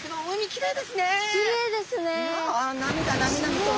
きれいですね。